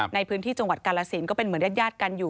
ในพื้นที่จังหวัดกาลสินก็เป็นเหมือนญาติกันอยู่